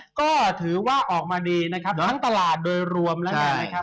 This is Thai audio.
ก็ถือว่าออกมาดีนะครับทั้งตลาดโดยรวมแล้วเนี่ยนะครับ